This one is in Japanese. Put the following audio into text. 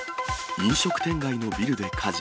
飲食店街のビルで火事。